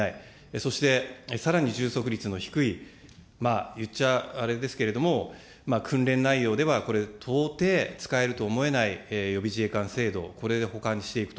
そして、さらに充足率の低い、言っちゃあれですけれども、訓練内容では、これ、とうてい使えると思えない予備自衛官制度、これで補完していくと。